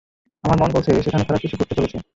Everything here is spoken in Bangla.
আমার মন বলছে সেখানে খারাপ কিছু ঘটতে চলেছে।